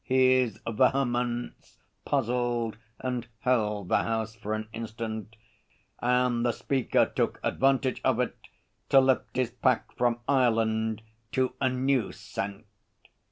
His vehemence puzzled and held the House for an instant, and the Speaker took advantage of it to lift his pack from Ireland to a new scent.